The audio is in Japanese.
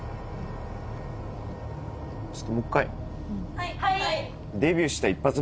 はい。